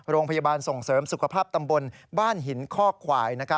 โรงพยาบาลส่งเสริมสุขภาพตำบลบ้านหินข้อควาย